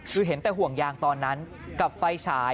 คือเห็นแต่ห่วงยางตอนนั้นกับไฟฉาย